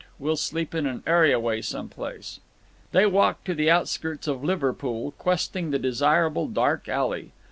We'll sleep in an areaway some place." They walked to the outskirts of Liverpool, questing the desirable dark alley.